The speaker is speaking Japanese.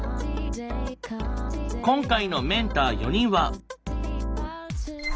今回のメンター４人は？